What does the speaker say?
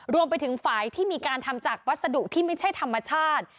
รวมไปถึงฝ่ายที่มีการทำจากวัสดุที่ไม่ใช่ธรรมชาติ